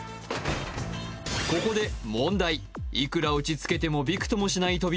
ここで問題いくら打ちつけてもびくともしない扉